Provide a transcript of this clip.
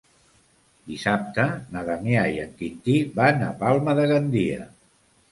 Dissabte na Damià i en Quintí van a Palma de Gandia.